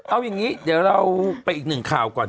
เอาอย่างนี้เดี๋ยวเราไปอีกหนึ่งข่าวก่อน